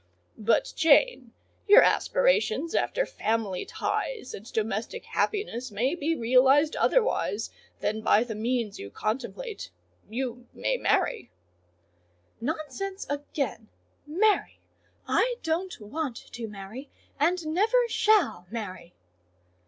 "But, Jane, your aspirations after family ties and domestic happiness may be realised otherwise than by the means you contemplate: you may marry." "Nonsense, again! Marry! I don't want to marry, and never shall marry."